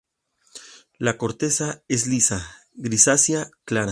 La corteza es lisa, grisácea clara.